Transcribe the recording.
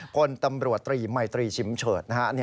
คนตำรวจมัยตรีชิมเฉิด